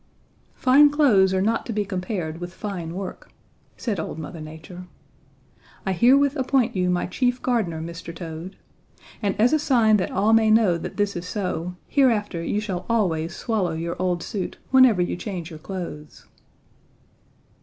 "'Fine clothes arc not to be compared with fine work,' said old Mother Nature. 'I herewith appoint you my chief gardener, Mr. Toad. And as a sign that all may know that this is so, hereafter you shall always swallow your old suit whenever you change your clothes!'